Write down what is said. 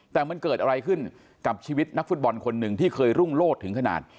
แต่มันเกิดอะไรขึ้นกับชีวิตนักฟุตบอลคนหนึ่งที่เคยรุ่งโลศถึงขนาด